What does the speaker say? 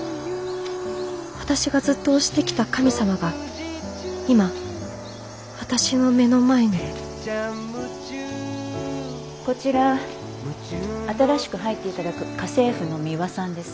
私がずっと推してきた神様が今私の目の前にこちら新しく入って頂く家政婦のミワさんです。